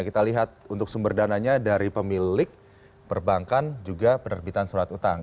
kita lihat untuk sumber dananya dari pemilik perbankan juga penerbitan surat utang